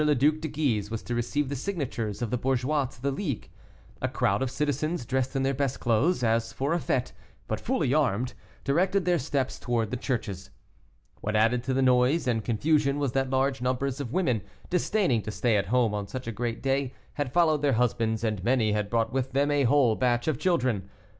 le Duc de Guise was to receive the signatures of the bourgeois to the League. A crowd of citizens, dressed in their best clothes, as for a fête, but fully armed, directed their steps towards the churches. What added to the noise and confusion was that large numbers of women, disdaining to stay at home on such a great day, had followed their husbands, and many had brought with them a whole batch of children.